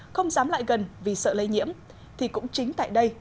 không dám lại gần vì sợ lây nhiễm thì cũng chính tại đây